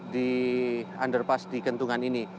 di underpass di kentungan ini